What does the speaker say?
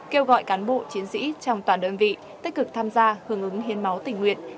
kêu gọi cán bộ chiến sĩ trong toàn đơn vị tích cực tham gia hưởng ứng hiến máu tình nguyện